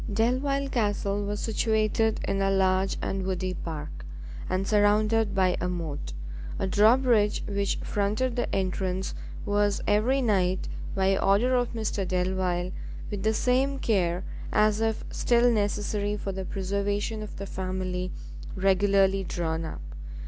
Delvile Castle was situated in a large and woody park, and surrounded by a moat. A drawbridge which fronted the entrance was every night, by order of Mr Delvile, with the same care as if still necessary for the preservation of the family, regularly drawn up.